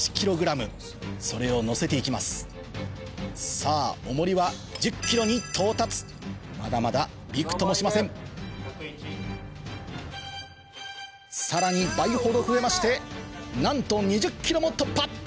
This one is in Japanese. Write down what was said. さぁ重りは１０ｋｇに到達まだまだびくともしませんさらに倍ほど増えましてなんと２０ｋｇも突破！